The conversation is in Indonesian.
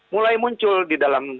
mulai muncul di dalam